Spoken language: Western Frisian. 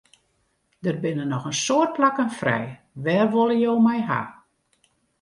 Der binne noch in soad plakken frij, wêr wolle jo my hawwe?